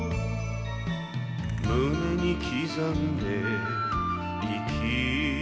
「胸に刻んで生きるとき」